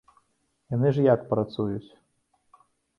Яны ж як працуюць?